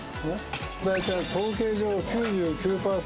大体統計上９９％